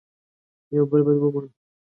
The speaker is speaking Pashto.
یو بل باید ومنو